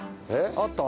あった？